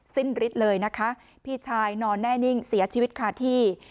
ริดเลยนะคะพี่ชายนอนแน่นิ่งเสียชีวิตคาที่